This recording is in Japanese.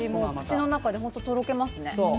口の中で本当にとろけますね。